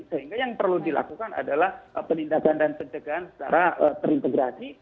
sehingga yang perlu dilakukan adalah penindakan dan pencegahan secara terintegrasi